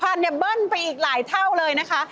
พันเนี่ยเบิ้ลไปอีกหลายเท่าเลยนะคะ